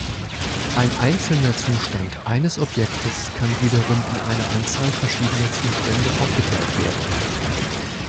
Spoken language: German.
Ein einzelner Zustand eines Objektes kann wiederum in eine Anzahl verschiedener Zustände aufgeteilt werden.